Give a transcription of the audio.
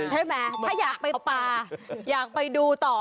ใช่ไหมถ้าอยากไปปลาอยากไปดูต่อ